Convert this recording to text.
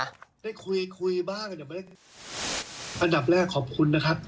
อันดับแรกขอบคุณนะครับ